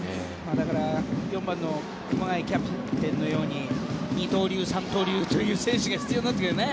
だから４番の熊谷キャプテンのように二刀流、三刀流という選手が必要になってくるね。